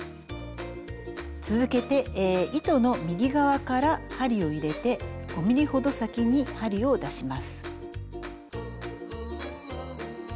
続けて糸の右側から針を入れて５ｍｍほど先に針を出します。